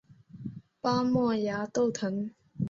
巴莫崖豆藤